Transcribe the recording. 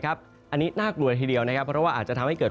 อันนี้น่ากลัวทีเดียวนะครับเพราะว่าอาจจะทำให้เกิด